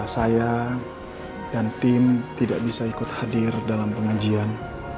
saya dan tim tidak bisa ikut hadir dalam pengajian